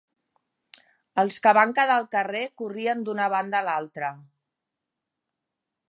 Els que van quedar al carrer corrien d'una banda a l'altra